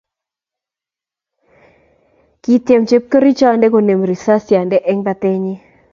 kityem chepkerichonde konemu risasiande eng batenyin